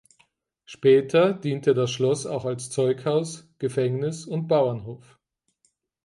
Später diente das Schloss auch als Zeughaus, Gefängnis und Bauernhof.